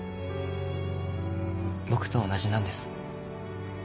僕と同じなんです。